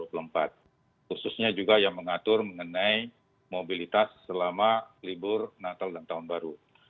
khususnya juga yang mengatur mengenai mobilitas selama libur natal dan tahun baru